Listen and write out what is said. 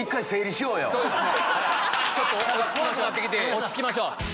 落ち着きましょう。